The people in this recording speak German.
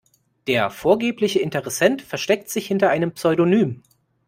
Der vorgebliche Interessent versteckt sich hinter einem Pseudonym.